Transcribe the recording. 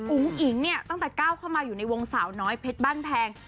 อิ๋งเนี่ยตั้งแต่ก้าวเข้ามาอยู่ในวงสาวน้อยเพชรบ้านแพง